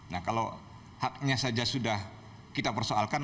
nah kalau haknya saja sudah kita persoalkan